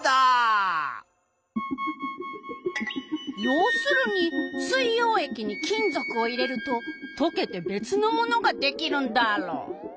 要するに水よう液に金属を入れるととけて別のものができるんダーロ！